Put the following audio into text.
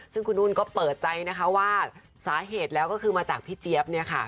ซึ่งคุณนุ่นก็เปิดใจนะคะว่าสาเหตุแล้วก็คือมาจากพี่เจี๊ยบเนี่ยค่ะ